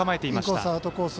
インコース、アウトコース